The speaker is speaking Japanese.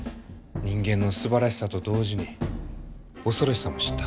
人間のすばらしさと同時に恐ろしさも知った。